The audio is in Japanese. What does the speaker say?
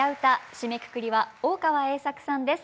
締めくくりは大川栄策さんです。